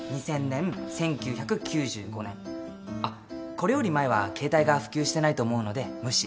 あっこれより前は携帯が普及してないと思うので無視。